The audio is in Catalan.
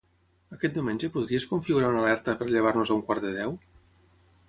Aquest diumenge podries configurar una alerta per llevar-nos a un quart de deu?